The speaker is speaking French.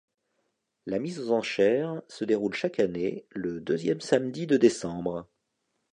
La mise aux enchères se déroule chaque année, le deuxième samedi de décembre.